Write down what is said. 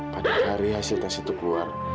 pada hari hasil tes itu keluar